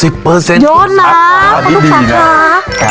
๑๐ยนต์ต่างของทุกสาขา